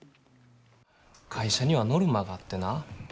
会社にはノルマがあってな